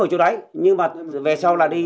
ở chỗ đấy nhưng mà về sau là đi